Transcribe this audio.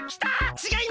ちがいます！